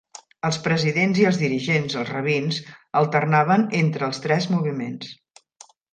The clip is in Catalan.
Els presidents i els dirigents, els rabins, alternaven entre els tres moviments.